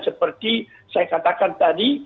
seperti saya katakan tadi